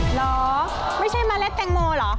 เหรอไม่ใช่เมล็ดแตงโมเหรอ